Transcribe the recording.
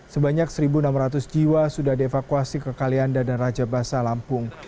sebanyak satu enam ratus jiwa sudah dievakuasi ke kalianda dan raja basa lampung